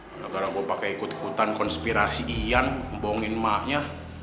gara gara gue pakai ikut ikutan konspirasi iyan embongin maafnya